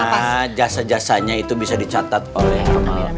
nah jasa jasanya itu bisa dicatat oleh